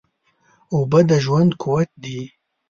اوبه د ژوندانه قوت دي